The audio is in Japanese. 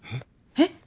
えっ？